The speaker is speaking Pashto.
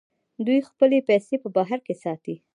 دوی خپلې پیسې په بهر کې ساتي.